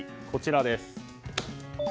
こちらです。